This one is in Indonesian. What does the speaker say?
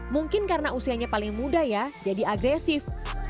mungkin karena usianya paling muda ya jadi agresif